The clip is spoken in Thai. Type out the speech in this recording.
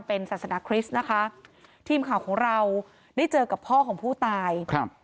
เป็นศาสนาคริสต์นะคะทีมข่าวของเราได้เจอกับพ่อของผู้ตายครับ